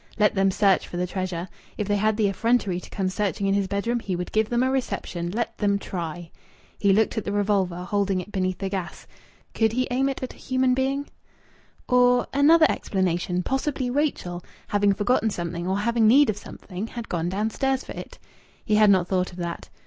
Let them search for the treasure! If they had the effrontery to come searching in his bedroom, he would give them a reception! Let them try! He looked at the revolver, holding it beneath the gas. Could he aim it at a human being?... Or another explanation possibly Rachel, having forgotten something or having need of something, had gone downstairs for it. He had not thought of that.